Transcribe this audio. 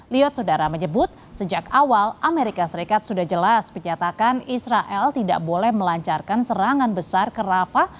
liot sudara menyebut sejak awal amerika serikat sudah jelas menyatakan israel tidak boleh melancarkan serangan besar ke rafa